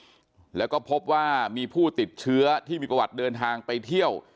แล้วก็พบว่ามีผู้ติดเชื้อที่มีประวัติเดินทางไปเที่ยว